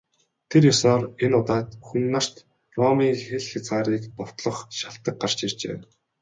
Тэр ёсоор энэ удаад Хүн нарт Ромын хил хязгаарыг довтлох шалтаг гарч иржээ.